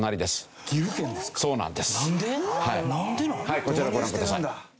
はいこちらご覧ください。